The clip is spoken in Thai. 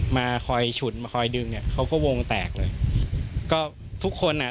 มาคอยฉุนมาคอยดึงเนี้ยเขาก็วงแตกเลยก็ทุกคนอ่ะ